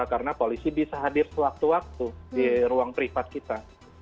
karena polisi bisa hadir sewaktu waktu di ruang privat kita